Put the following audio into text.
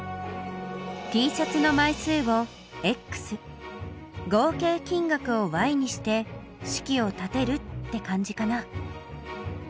Ｔシャツの枚数を合計金額をにして式を立てるって感じかな。